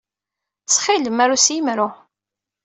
Ttxil-m, aru s yemru.